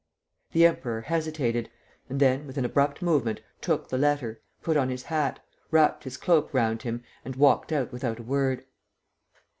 The Emperor hesitated and then, with an abrupt movement, took the letter, put on his hat, wrapped his cloak round him and walked out without a word.